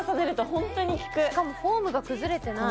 しかもフォームが崩れてない。